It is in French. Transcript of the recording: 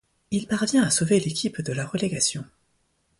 Il parvient à sauver l'équipe de la relégation.